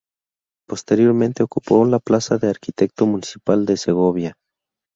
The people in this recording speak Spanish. Posteriormente ocupó la plaza de arquitecto municipal de Segovia.